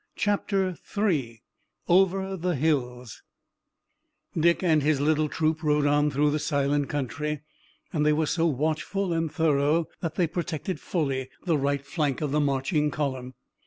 CHAPTER III OVER THE HILLS Dick and his little troop rode on through the silent country, and they were so watchful and thorough that they protected fully the right flank of the marching column.